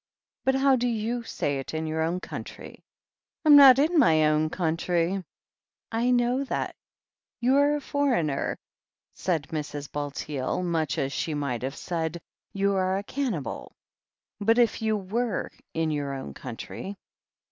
"But how do you say it in your own country?" "I am not in my own country." "I know that. You are a foreigner," said Mrs. 144 THE HEEL OF ACHILLES Bulteel, much as she might have said, "You are a camii bal." "But if you were in your own country?"